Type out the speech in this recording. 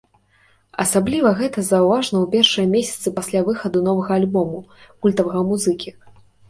Асабліва гэта заўважна ў першыя месяцы пасля выхаду новага альбому культавага музыкі.